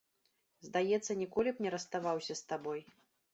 Здаецца, ніколі б не расставаўся з табой.